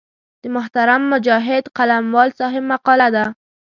د محترم مجاهد قلموال صاحب مقاله ده.